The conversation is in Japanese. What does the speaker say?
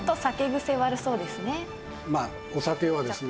まあお酒はですね